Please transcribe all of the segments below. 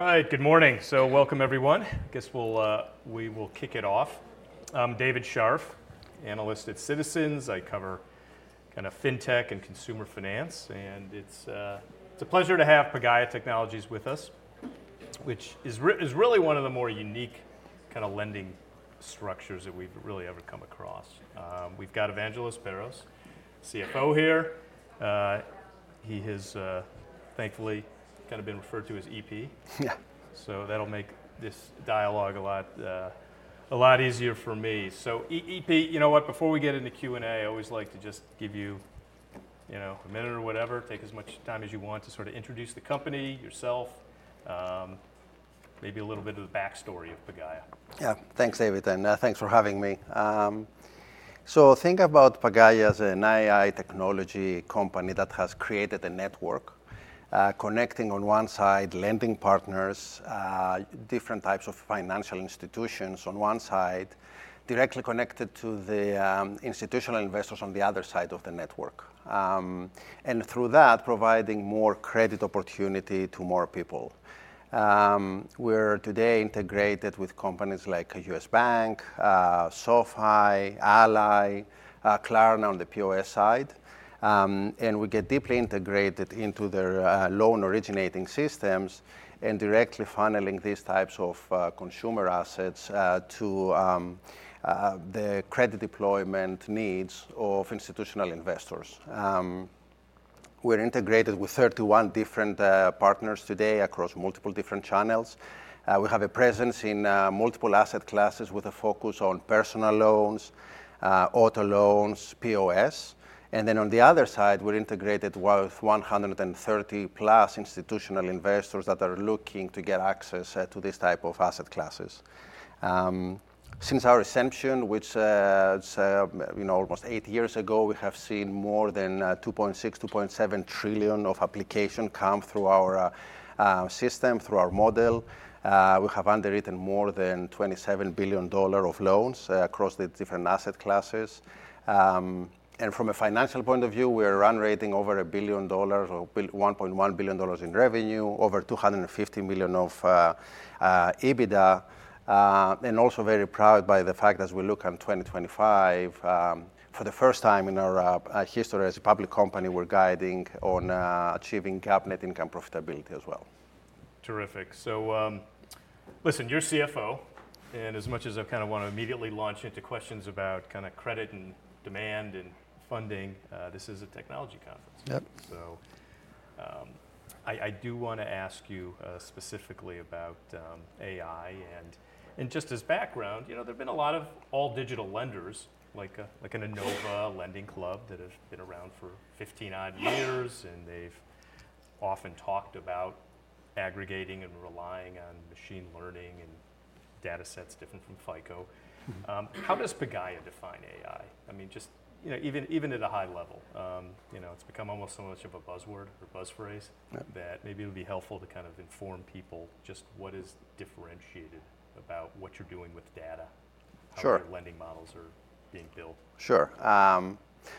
All right, good morning. So welcome, everyone. I guess we'll kick it off. I'm David Scharf, analyst at Citizens. I cover kind of fintech and consumer finance. And it's a pleasure to have Pagaya Technologies with us, which is really one of the more unique kind of lending structures that we've really ever come across. We've got Evangelos Perros, CFO here. He has, thankfully, kind of been referred to as EP. So that'll make this dialogue a lot easier for me. So EP, you know what? Before we get into Q&A, I always like to just give you a minute or whatever, take as much time as you want to sort of introduce the company, yourself, maybe a little bit of the backstory of Pagaya. Yeah, thanks, David, and thanks for having me. So think about Pagaya as an AI technology company that has created a network connecting, on one side, lending partners, different types of financial institutions on one side, directly connected to the institutional investors on the other side of the network, and through that, providing more credit opportunity to more people. We're today integrated with companies like U.S. Bank, SoFi, Ally, Klarna on the POS side. And we get deeply integrated into their loan originating systems and directly funneling these types of consumer assets to the credit deployment needs of institutional investors. We're integrated with 31 different partners today across multiple different channels. We have a presence in multiple asset classes with a focus on personal loans, auto loans, POS. Then on the other side, we're integrated with 130+ institutional investors that are looking to get access to this type of asset classes. Since our inception, which was almost eight years ago, we have seen more than 2.6 trillion-2.7 trillion of applications come through our system, through our model. We have underwritten more than $27 billion of loans across the different asset classes. From a financial point of view, we are run-rating over $1 billion or $1.1 billion in revenue, over $250 million of EBITDA. We are also very proud of the fact that we're looking to 2025, for the first time in our history as a public company, we're guiding on achieving GAAP net income profitability as well. Terrific. So listen, you're CFO. And as much as I kind of want to immediately launch into questions about kind of credit and demand and funding, this is a technology conference. So I do want to ask you specifically about AI. And just as background, there have been a lot of all-digital lenders, like an Enova, LendingClub that has been around for 15-odd years. And they've often talked about aggregating and relying on machine learning and data sets different from FICO. How does Pagaya define AI? I mean, just even at a high level, it's become almost so much of a buzzword or buzz phrase that maybe it would be helpful to kind of inform people just what is differentiated about what you're doing with data, how your lending models are being built? Sure.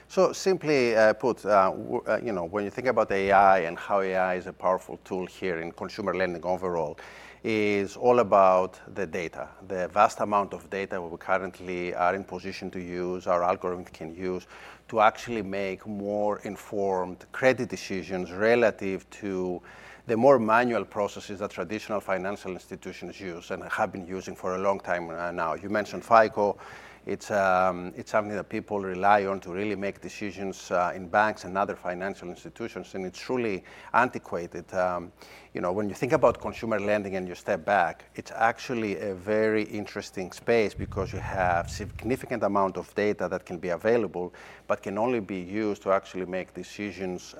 So simply put, when you think about AI and how AI is a powerful tool here in consumer lending overall, it's all about the data, the vast amount of data we currently are in position to use, our algorithms can use to actually make more informed credit decisions relative to the more manual processes that traditional financial institutions use and have been using for a long time now. You mentioned FICO. It's something that people rely on to really make decisions in banks and other financial institutions. And it's truly antiquated. When you think about consumer lending and you step back, it's actually a very interesting space because you have a significant amount of data that can be available but can only be used to actually make decisions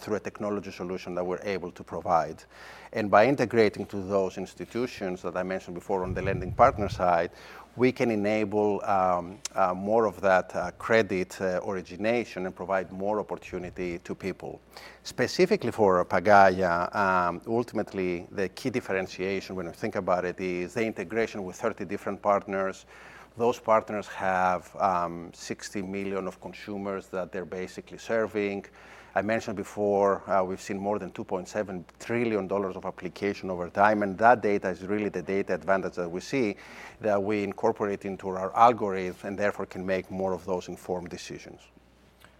through a technology solution that we're able to provide. And by integrating to those institutions that I mentioned before on the lending partner side, we can enable more of that credit origination and provide more opportunity to people. Specifically for Pagaya, ultimately, the key differentiation when we think about it is the integration with 30 different partners. Those partners have 60 million of consumers that they're basically serving. I mentioned before, we've seen more than $2.7 trillion of application over time. And that data is really the data advantage that we see that we incorporate into our algorithms and therefore can make more of those informed decisions.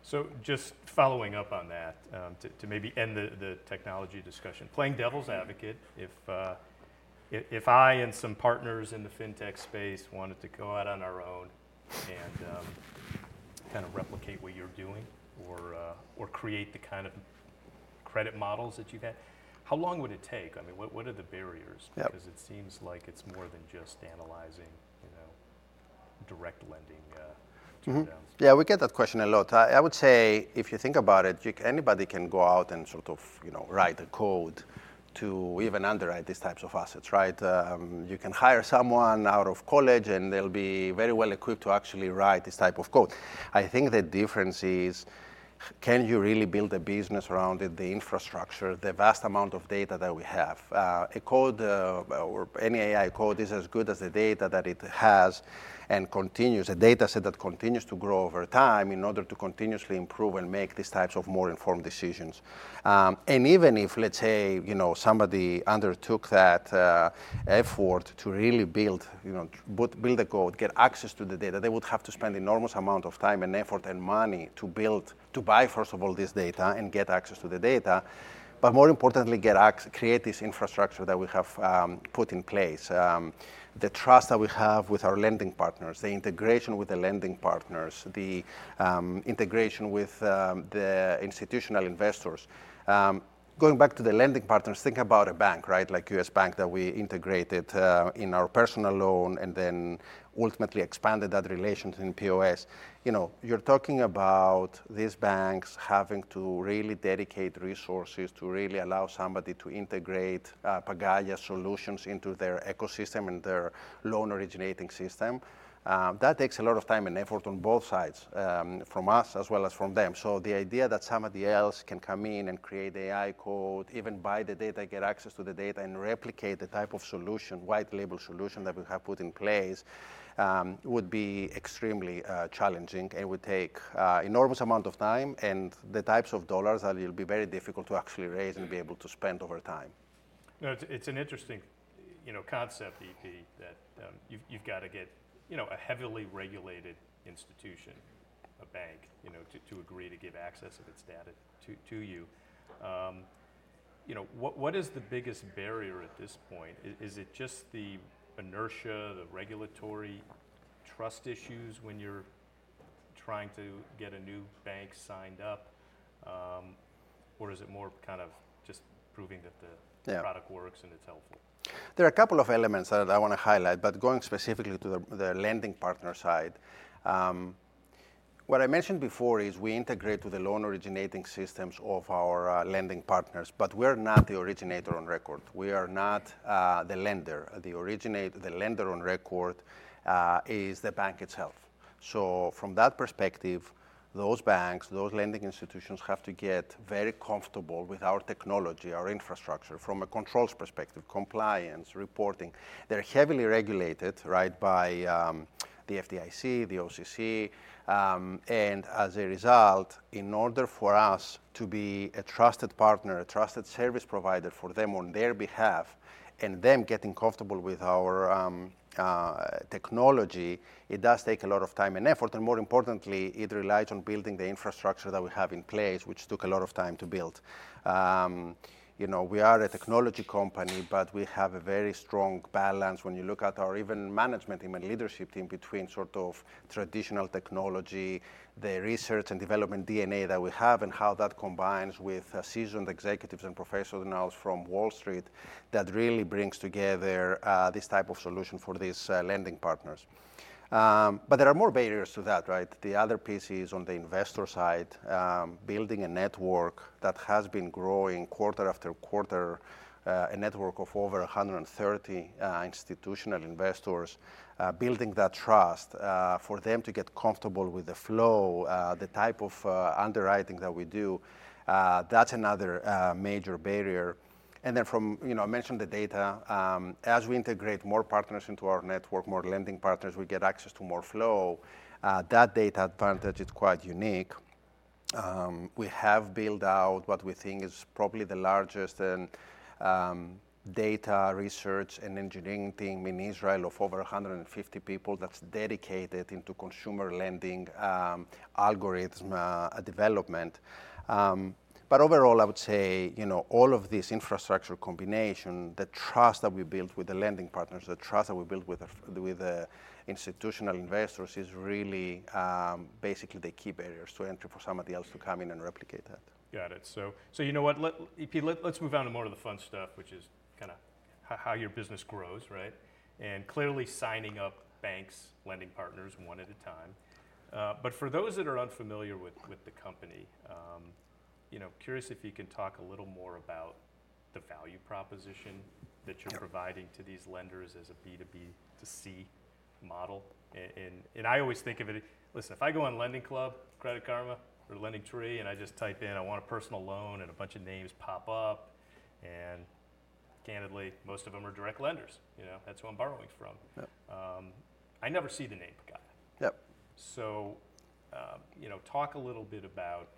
So just following up on that, to maybe end the technology discussion, playing devil's advocate, if I and some partners in the fintech space wanted to go out on our own and kind of replicate what you're doing or create the kind of credit models that you've had, how long would it take? I mean, what are the barriers? Because it seems like it's more than just analyzing direct lending too. Yeah, we get that question a lot. I would say, if you think about it, anybody can go out and sort of write the code to even underwrite these types of assets, right? You can hire someone out of college, and they'll be very well equipped to actually write this type of code. I think the difference is, can you really build a business around it, the infrastructure, the vast amount of data that we have? A code or any AI code is as good as the data that it has and continues, a data set that continues to grow over time in order to continuously improve and make these types of more informed decisions. Even if, let's say, somebody undertook that effort to really build the code, get access to the data, they would have to spend an enormous amount of time and effort and money to buy, first of all, this data and get access to the data, but more importantly, create this infrastructure that we have put in place, the trust that we have with our lending partners, the integration with the lending partners, the integration with the institutional investors. Going back to the lending partners, think about a bank, right, like U.S. Bank that we integrated in our personal loan and then ultimately expanded that relation in POS. You're talking about these banks having to really dedicate resources to really allow somebody to integrate Pagaya solutions into their ecosystem and their loan originating system. That takes a lot of time and effort on both sides, from us as well as from them. So the idea that somebody else can come in and create AI code, even buy the data, get access to the data, and replicate the type of solution, white label solution that we have put in place would be extremely challenging and would take an enormous amount of time. And the types of dollars that it'll be very difficult to actually raise and be able to spend over time. It's an interesting concept, EP, that you've got to get a heavily regulated institution, a bank, to agree to give access of its data to you. What is the biggest barrier at this point? Is it just the inertia, the regulatory trust issues when you're trying to get a new bank signed up? Or is it more kind of just proving that the product works and it's helpful? There are a couple of elements that I want to highlight. But going specifically to the lending partner side, what I mentioned before is we integrate to the loan originating systems of our lending partners. But we're not the originator on record. We are not the lender. The lender on record is the bank itself. So from that perspective, those banks, those lending institutions have to get very comfortable with our technology, our infrastructure from a controls perspective, compliance, reporting. They're heavily regulated by the FDIC, the OCC. And as a result, in order for us to be a trusted partner, a trusted service provider for them on their behalf, and them getting comfortable with our technology, it does take a lot of time and effort. And more importantly, it relies on building the infrastructure that we have in place, which took a lot of time to build. We are a technology company, but we have a very strong balance when you look at our executive management, executive leadership team between sort of traditional technology, the research and development DNA that we have, and how that combines with seasoned executives and professionals from Wall Street that really brings together this type of solution for these lending partners. But there are more barriers to that, right? The other piece is on the investor side, building a network that has been growing quarter after quarter, a network of over 130 institutional investors, building that trust for them to get comfortable with the flow, the type of underwriting that we do. That's another major barrier. And then, as I mentioned, the data. As we integrate more partners into our network, more lending partners, we get access to more flow. That data advantage, it's quite unique. We have built out what we think is probably the largest data research and engineering team in Israel of over 150 people that's dedicated to consumer lending algorithm development, but overall, I would say all of this infrastructure combination, the trust that we built with the lending partners, the trust that we built with the institutional investors is really basically the key barriers to entry for somebody else to come in and replicate that. Got it. So you know what, EP? Let's move on to more of the fun stuff, which is kind of how your business grows, right? And clearly signing up banks, lending partners one at a time. But for those that are unfamiliar with the company, curious if you can talk a little more about the value proposition that you're providing to these lenders as a B2B2C model. And I always think of it. Listen, if I go on LendingClub, Credit Karma, or LendingTree, and I just type in, I want a personal loan, and a bunch of names pop up. And candidly, most of them are direct lenders. That's who I'm borrowing from. I never see the name Pagaya. So talk a little bit about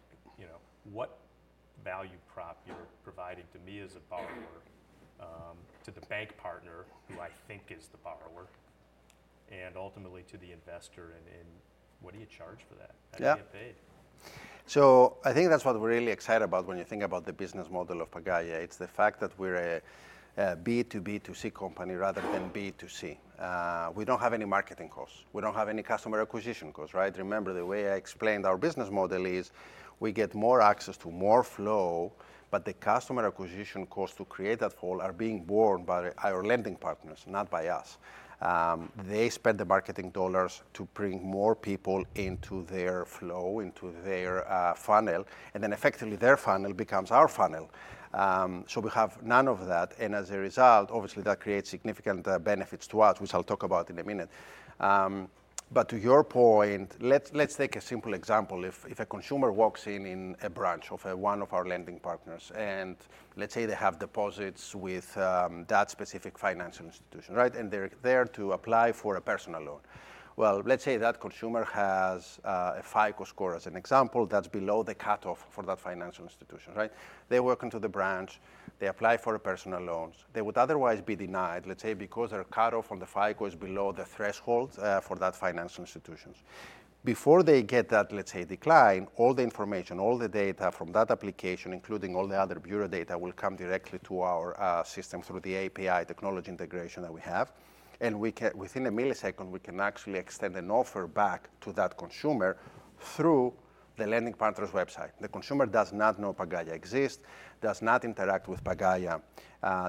what value prop you're providing to me as a borrower, to the bank partner who I think is the borrower, and ultimately to the investor. And what do you charge for that? How do you get paid? So I think that's what we're really excited about when you think about the business model of Pagaya. It's the fact that we're a B2B2C company rather than B2C. We don't have any marketing costs. We don't have any customer acquisition costs, right? Remember, the way I explained our business model is we get more access to more flow, but the customer acquisition costs to create that flow are being borne by our lending partners, not by us. They spend the marketing dollars to bring more people into their flow, into their funnel. And then effectively, their funnel becomes our funnel. So we have none of that. And as a result, obviously, that creates significant benefits to us, which I'll talk about in a minute. But to your point, let's take a simple example. If a consumer walks in a branch of one of our lending partners, and let's say they have deposits with that specific financial institution, right? And they're there to apply for a personal loan. Well, let's say that consumer has a FICO score as an example that's below the cutoff for that financial institution, right? They walk into the branch. They apply for personal loans. They would otherwise be denied, let's say, because their cutoff on the FICO is below the threshold for that financial institution. Before they get that, let's say, decline, all the information, all the data from that application, including all the other bureau data, will come directly to our system through the API technology integration that we have. And within a millisecond, we can actually extend an offer back to that consumer through the lending partner's website. The consumer does not know Pagaya exists, does not interact with Pagaya.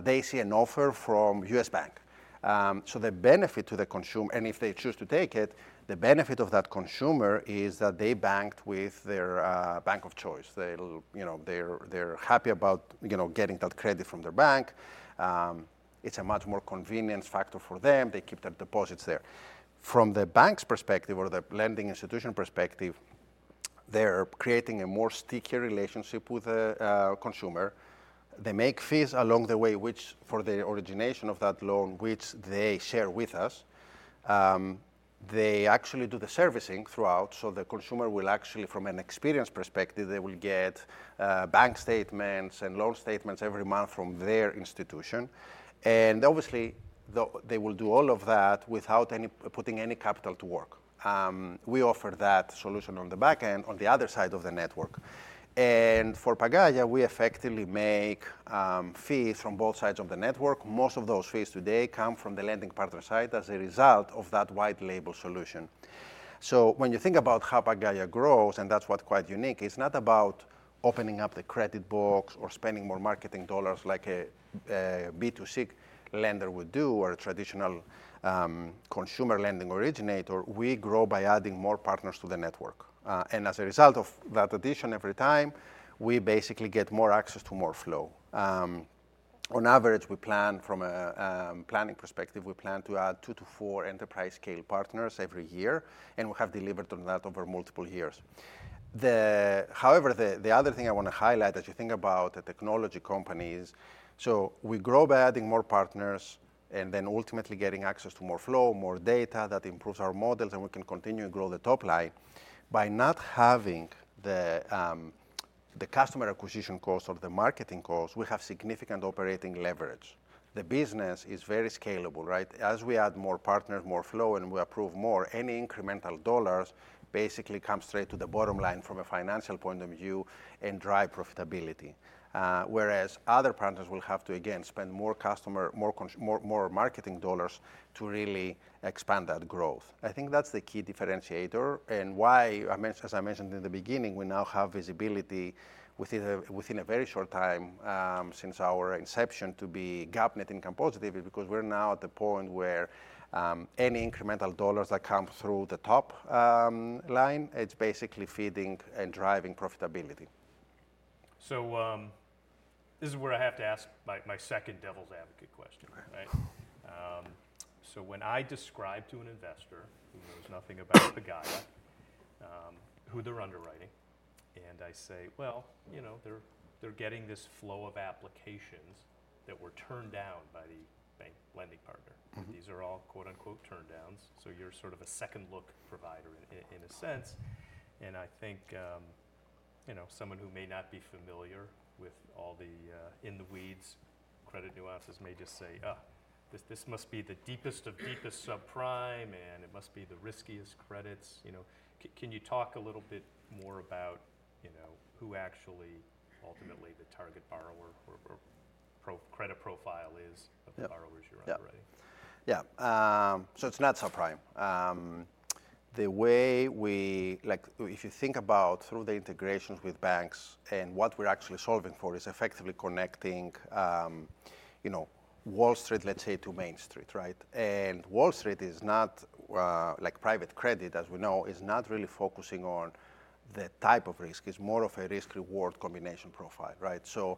They see an offer from U.S. Bank. So the benefit to the consumer, and if they choose to take it, the benefit of that consumer is that they banked with their bank of choice. They're happy about getting that credit from their bank. It's a much more convenient factor for them. They keep their deposits there. From the bank's perspective or the lending institution perspective, they're creating a more stickier relationship with the consumer. They make fees along the way, which for the origination of that loan, which they share with us. They actually do the servicing throughout. So the consumer will actually, from an experience perspective, they will get bank statements and loan statements every month from their institution, and obviously, they will do all of that without putting any capital to work. We offer that solution on the back end, on the other side of the network. And for Pagaya, we effectively make fees from both sides of the network. Most of those fees today come from the lending partner side as a result of that white label solution. So when you think about how Pagaya grows, and that's what's quite unique, it's not about opening up the credit box or spending more marketing dollars like a B2C lender would do or a traditional consumer lending originator. We grow by adding more partners to the network. And as a result of that addition every time, we basically get more access to more flow. On average, we plan, from a planning perspective, we plan to add two to four enterprise-scale partners every year. And we have delivered on that over multiple years. However, the other thing I want to highlight as you think about the technology companies, so we grow by adding more partners and then ultimately getting access to more flow, more data that improves our models, and we can continue to grow the top line. By not having the customer acquisition cost or the marketing cost, we have significant operating leverage. The business is very scalable, right? As we add more partners, more flow, and we approve more, any incremental dollars basically come straight to the bottom line from a financial point of view and drive profitability. Whereas other partners will have to, again, spend more marketing dollars to really expand that growth. I think that's the key differentiator. Why, as I mentioned in the beginning, we now have visibility within a very short time since our inception to be GAAP net income positive is because we're now at the point where any incremental dollars that come through the top line, it's basically feeding and driving profitability. So this is where I have to ask my second devil's advocate question, right? So when I describe to an investor who knows nothing about Pagaya who they're underwriting, and I say, well, you know they're getting this flow of applications that were turned down by the bank lending partner. These are all, quote unquote, turn downs. So you're sort of a second look provider in a sense. And I think someone who may not be familiar with all the in the weeds credit nuances may just say, oh, this must be the deepest of deepest subprime, and it must be the riskiest credits. Can you talk a little bit more about who actually ultimately the target borrower or credit profile is of the borrowers you're underwriting? Yeah. So it's not subprime. The way we, if you think about through the integrations with banks and what we're actually solving for is effectively connecting Wall Street, let's say, to Main Street, right? And Wall Street is not, like private credit as we know, is not really focusing on the type of risk. It's more of a risk-reward combination profile, right? So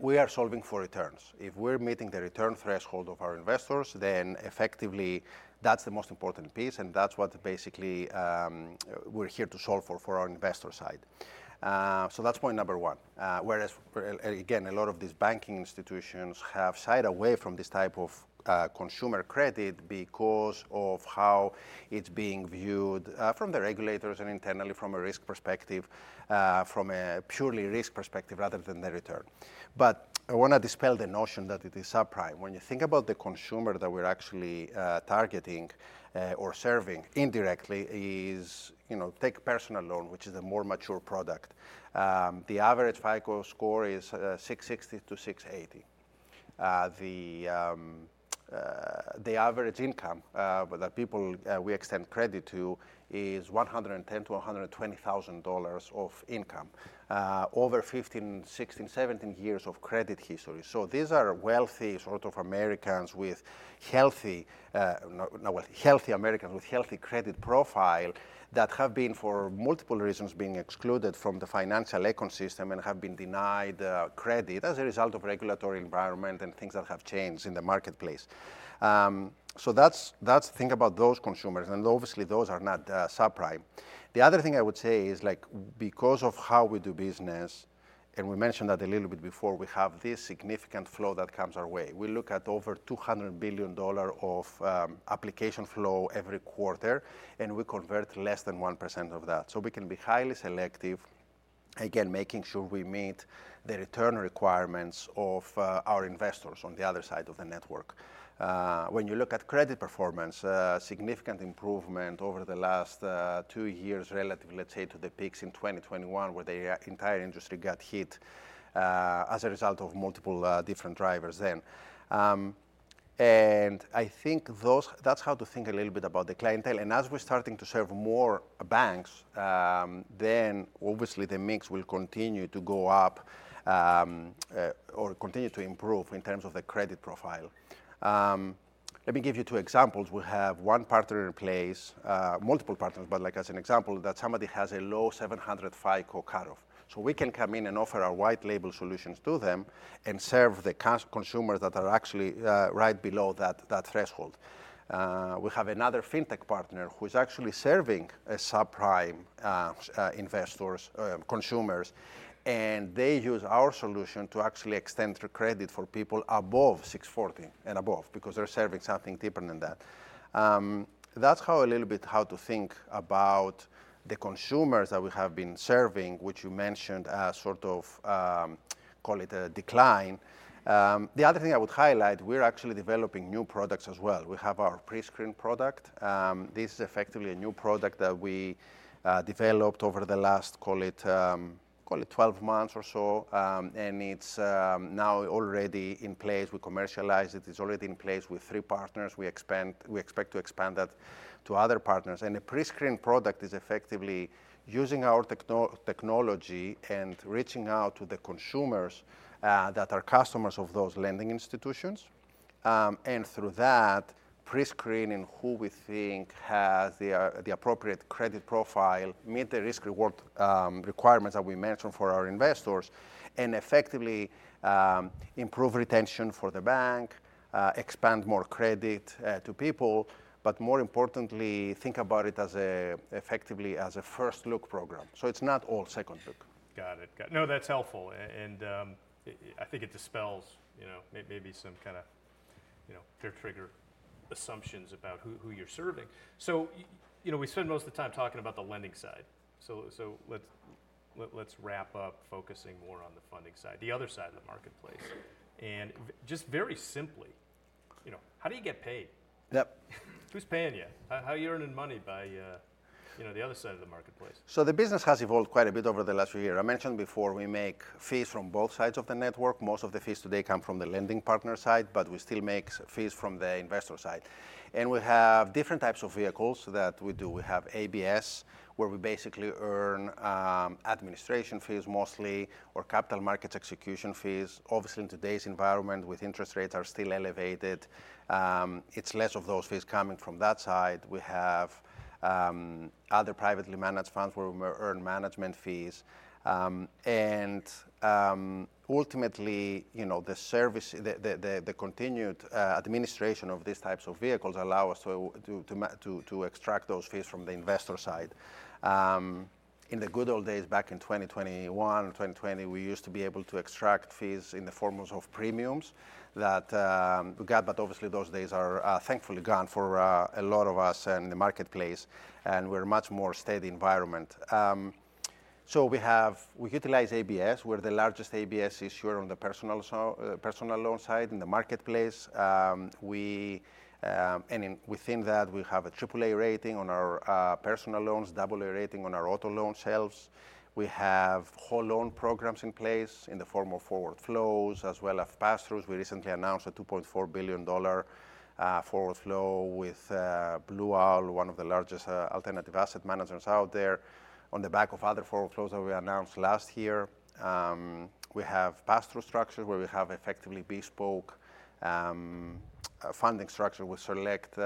we are solving for returns. If we're meeting the return threshold of our investors, then effectively that's the most important piece. And that's what basically we're here to solve for our investor side. So that's point number one. Whereas, again, a lot of these banking institutions have shied away from this type of consumer credit because of how it's being viewed from the regulators and internally from a risk perspective, from a purely risk perspective rather than the return. But I want to dispel the notion that it is subprime. When you think about the consumer that we're actually targeting or serving indirectly is take personal loan, which is a more mature product. The average FICO score is 660-680. The average income that we extend credit to is $110,000-$120,000 of income over 15, 16, 17 years of credit history. So these are wealthy sort of Americans with healthy credit profile that have been, for multiple reasons, being excluded from the financial ecosystem and have been denied credit as a result of regulatory environment and things that have changed in the marketplace. So that's think about those consumers. And obviously, those are not subprime. The other thing I would say is because of how we do business, and we mentioned that a little bit before, we have this significant flow that comes our way. We look at over $200 billion of application flow every quarter, and we convert less than 1% of that, so we can be highly selective, again, making sure we meet the return requirements of our investors on the other side of the network. When you look at credit performance, significant improvement over the last two years relative, let's say, to the peaks in 2021, where the entire industry got hit as a result of multiple different drivers then, and I think that's how to think a little bit about the clientele, and as we're starting to serve more banks, then obviously the mix will continue to go up or continue to improve in terms of the credit profile. Let me give you two examples. We have one partner in place, multiple partners, but like as an example, that somebody has a low 700 FICO cutoff. So we can come in and offer our white label solutions to them and serve the consumers that are actually right below that threshold. We have another fintech partner who is actually serving subprime consumers. And they use our solution to actually extend their credit for people above 640 and above because they're serving something deeper than that. That's how a little bit to think about the consumers that we have been serving, which you mentioned as sort of, call it a decline. The other thing I would highlight, we're actually developing new products as well. We have our pre-screen product. This is effectively a new product that we developed over the last, call it 12 months or so. It's now already in place. We commercialized it. It's already in place with three partners. We expect to expand that to other partners. The Prescreen product is effectively using our technology and reaching out to the consumers that are customers of those lending institutions. Through that, pre-screening who we think has the appropriate credit profile, meet the risk-reward requirements that we mentioned for our investors, and effectively improve retention for the bank, expand more credit to people, but more importantly, think about it effectively as a first look program. It's not all second look. Got it. No, that's helpful. And I think it dispels maybe some kind of trigger assumptions about who you're serving. So we spend most of the time talking about the lending side. So let's wrap up focusing more on the funding side, the other side of the marketplace. And just very simply, how do you get paid? Who's paying you? How are you earning money by the other side of the marketplace? So the business has evolved quite a bit over the last few years. I mentioned before we make fees from both sides of the network. Most of the fees today come from the lending partner side, but we still make fees from the investor side. And we have different types of vehicles that we do. We have ABS, where we basically earn administration fees mostly or capital markets execution fees. Obviously, in today's environment with interest rates still elevated, it's less of those fees coming from that side. We have other privately managed funds where we earn management fees. And ultimately, the continued administration of these types of vehicles allows us to extract those fees from the investor side. In the good old days back in 2021, 2020, we used to be able to extract fees in the forms of premiums that we got. But obviously, those days are thankfully gone for a lot of us in the marketplace. And we're a much more steady environment. So we utilize ABS, where the largest ABS is here on the personal loan side in the marketplace. And within that, we have a AAA rating on our personal loans, AA rating on our auto loan ABS. We have whole loan programs in place in the form of forward flows as well as pass-throughs. We recently announced a $2.4 billion forward flow with Blue Owl, one of the largest alternative asset managers out there. On the back of other forward flows that we announced last year, we have pass-through structures where we have effectively bespoke funding structures with select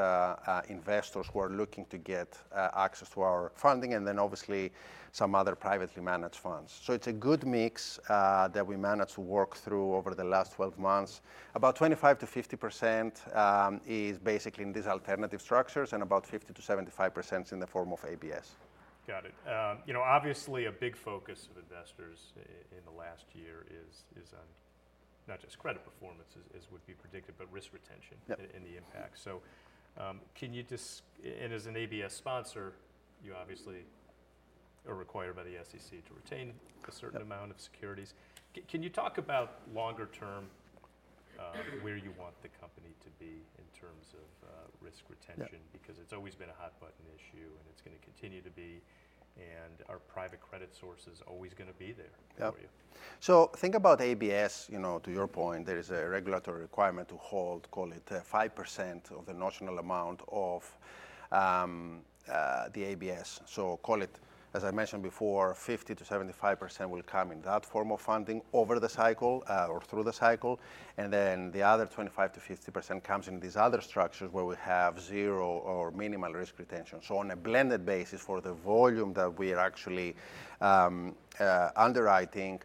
investors who are looking to get access to our funding and then obviously some other privately managed funds. It's a good mix that we managed to work through over the last 12 months. About 25%-50% is basically in these alternative structures and about 50%-75% is in the form of ABS. Got it. Obviously, a big focus of investors in the last year is not just credit performance, as would be predicted, but risk retention and the impact. So can you, and as an ABS sponsor, you obviously are required by the SEC to retain a certain amount of securities. Can you talk about longer term where you want the company to be in terms of risk retention? Because it's always been a hot button issue and it's going to continue to be. And are private credit sources always going to be there for you? Think about ABS. To your point, there is a regulatory requirement to hold, call it 5% of the notional amount of the ABS. So call it, as I mentioned before, 50%-75% will come in that form of funding over the cycle or through the cycle. And then the other 25%-50% comes in these other structures where we have zero or minimal risk retention. So on a blended basis for the volume that we are actually underwriting,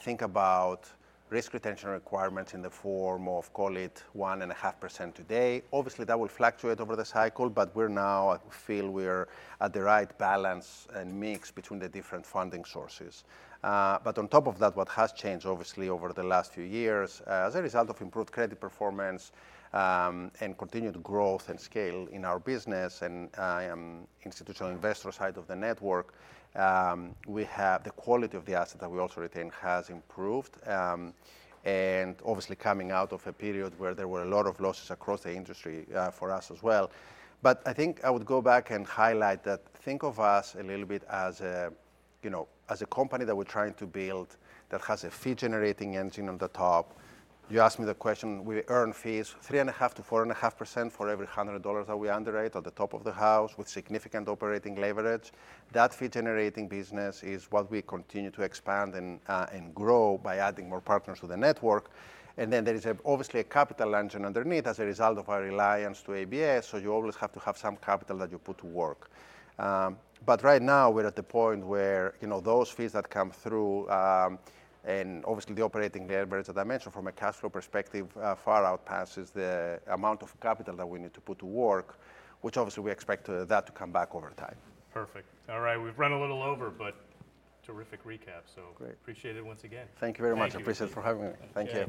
think about risk retention requirements in the form of, call it 1.5% today. Obviously, that will fluctuate over the cycle, but we're now, I feel, at the right balance and mix between the different funding sources. But on top of that, what has changed obviously over the last few years as a result of improved credit performance and continued growth and scale in our business and institutional investor side of the network, we have the quality of the asset that we also retain has improved. And obviously coming out of a period where there were a lot of losses across the industry for us as well. But I think I would go back and highlight that think of us a little bit as a company that we're trying to build that has a fee generating engine on the top. You asked me the question, we earn fees 3.5%-4.5% for every $100 that we underwrite at the top of the house with significant operating leverage. That fee generating business is what we continue to expand and grow by adding more partners to the network. And then there is obviously a capital engine underneath as a result of our reliance to ABS. So you always have to have some capital that you put to work. But right now we're at the point where those fees that come through and obviously the operating leverage that I mentioned from a cash flow perspective far outpaces the amount of capital that we need to put to work, which obviously we expect that to come back over time. Perfect. All right. We've run a little over, but terrific recap. So appreciate it once again. Thank you very much. Appreciate it for having me. Thank you.